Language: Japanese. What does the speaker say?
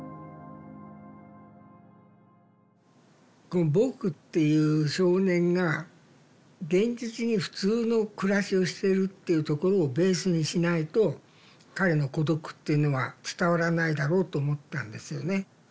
この「ぼく」っていう少年が現実に普通の暮らしをしてるっていうところをベースにしないと彼の孤独っていうのは伝わらないだろうと思ったんですよね。